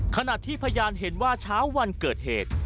ขณะที่พยานเห็นว่าเช้าวันเกิดเหตุ